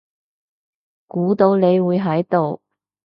估到你會喺度